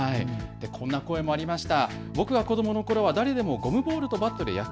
こんな声もありました。